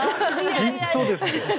きっとです。